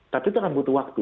tapi itu kan butuh waktu